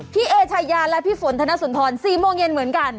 เอชายาและพี่ฝนธนสุนทร๔โมงเย็นเหมือนกัน